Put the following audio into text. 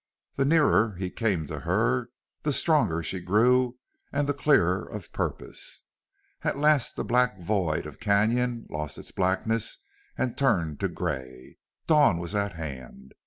The nearer he came to her the stronger she grew and the clearer of purpose. At last the black void of canon lost its blackness and turned to gray. Dawn was at hand.